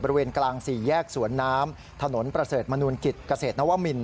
บริเวณกลางสี่แยกสวนน้ำถนนประเสริฐมนุนกิจเกษตรนวมิน